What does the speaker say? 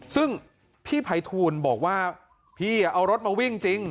ซึ่งพี่ภัยทูลบอกว่าพี่เอารถมาวิ่งจริง